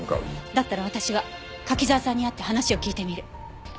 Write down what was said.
だったら私は柿沢さんに会って話を聞いてみる。